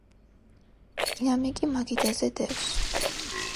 დინამიკი მაგიდაზე დევს